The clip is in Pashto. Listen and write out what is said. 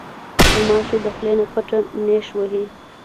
غوماشې د خولې نه پټه نیش وهي.